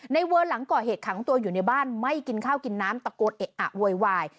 เวิร์นหลังก่อเหตุขังตัวอยู่ในบ้านไม่กินข้าวกินน้ำตะโกนเอะอะโวยวาย